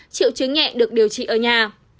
triệu chứng nhẹ được điều trị ở nhà